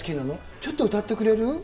ちょっと歌ってくれる？